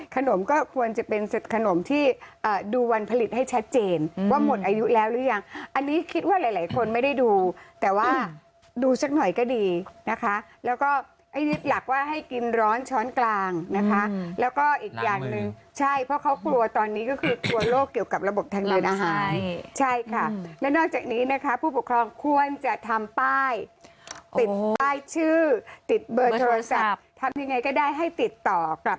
ขนมก็ควรจะเป็นขนมที่ดูวันผลิตให้ชัดเจนว่าหมดอายุแล้วหรือยังอันนี้คิดว่าหลายหลายคนไม่ได้ดูแต่ว่าดูสักหน่อยก็ดีนะคะแล้วก็หลักว่าให้กินร้อนช้อนกลางนะคะแล้วก็อีกอย่างหนึ่งใช่เพราะเขากลัวตอนนี้ก็คือกลัวโรคเกี่ยวกับระบบทางเดินอาหารใช่ค่ะและนอกจากนี้นะคะผู้ปกครองควรจะทำป้ายติดป้ายชื่อติดเบอร์โทรศัพท์ทำยังไงก็ได้ให้ติดต่อกลับ